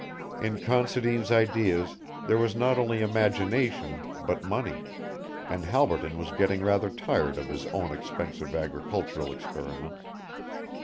In Considine's ideas there was not only imagination, but money, and Halberton was getting rather tired of his own expensive agricultural experiments.